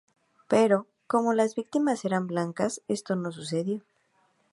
Pero, como las víctimas eran blancas, esto no sucedió.